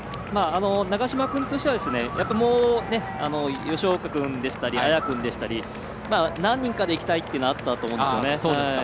長嶋君としては吉岡君でしたり、綾君でしたり何人かでいきたいというのはあったと思うんですよね。